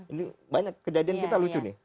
ini banyak kejadian kita lucu nih